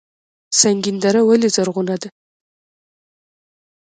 سنګین دره ولې زرغونه ده؟